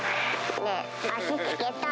ねぇ、足つけたい。